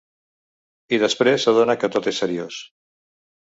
I després s'adona que tot és seriós.